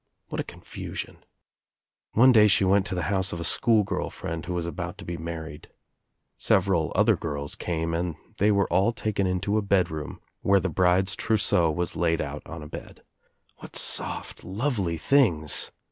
What a confusion 1 One day she went to the house of a schoolgirl friend who was about to be married. I Several other girls came and they were all taken into | a bedroom where the bride's trousseau was laid out on '" ed. What soft lovely things!